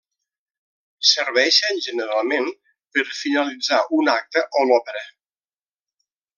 Serveixen, generalment, per finalitzar un acte o l'òpera.